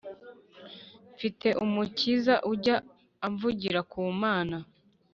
Njye mfite umukiza ujya amvugira ku mana